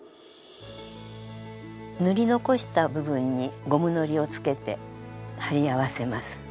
塗り残した部分にゴムのりをつけて貼り合わせます。